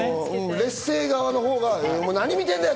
劣勢側のほうが何見てんだよ！